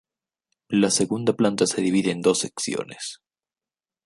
La segunda planta se divide en dos secciones.